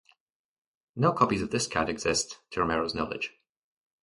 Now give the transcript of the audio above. No copies of this cut exist to Romero's knowledge.